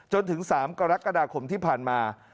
จนถึง๓กรกฎาคมที่ผ่านมา